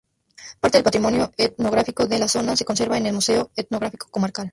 Parte del patrimonio etnográfico de la zona se conserva en el Museo Etnográfico Comarcal.